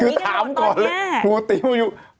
นวยุทิพย์บอก